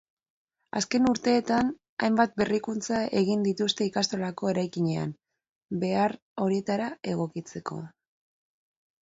Azken urteetan hainbat berrikuntza egin dituzte ikastolako eraikinean behar horietara egokitzeko.